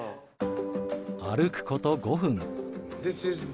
歩くこと５分。